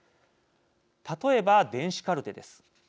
例えば、電子カルテです。